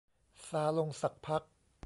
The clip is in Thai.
ซาลงสักพัก